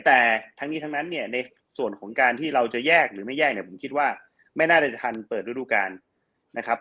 แต่ทั้งนี้ทั้งนั้นเนี่ยในส่วนของการที่เราจะแยกหรือไม่แยกเนี่ยผมคิดว่าไม่น่าจะทันเปิดฤดูการนะครับ